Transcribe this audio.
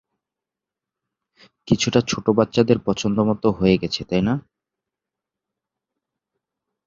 কিছুটা ছোট বাচ্চাদের পছন্দ মত হয়ে গেছে তাই না?